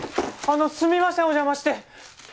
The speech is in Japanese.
あのすみませんお邪魔して。